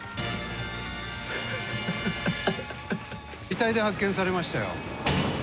遺体で発見されましたよ。